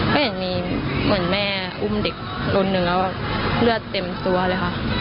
ก็เห็นมีแม่อุ้มเด็กรนเนื้อเลือดเต็มซัวเลยค่ะ